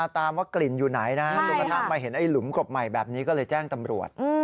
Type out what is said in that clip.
ตามว่ากลิ่นอยู่ไหนนะครับรูปฐานมาเห็นลุ้มกลบใหม่แบบนี้ก็เลยแจ้งตำรวจ